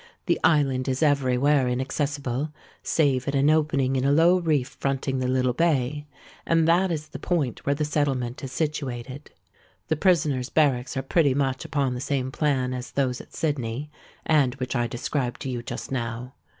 The island is every where inaccessible, save at an opening in a low reef fronting the little bay; and that is the point where the settlement is situated. The Prisoners' Barracks are pretty much upon the same plan as those at Sydney, and which I described to you just now.